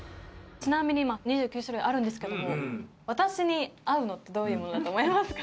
ちなみに２９種類あるんですけども私に合うのってどういうものだと思いますか？